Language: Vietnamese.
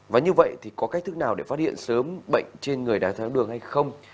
và như vậy thì có cách thức nào để phát hiện sớm bệnh trên người đá tháo đường hay không